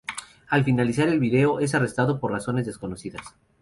Al finalizar el video, es arrestado por razones desconocidas.